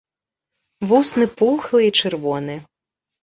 Вусны пухлы і чырвоны.